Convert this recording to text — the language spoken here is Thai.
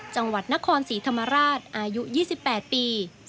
จังหวัดนครศรีธรรมราชอายุ๒๘ปี